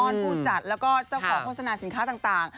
ผู้จัดแล้วก็เจ้าของโฆษณาสินค้าต่าง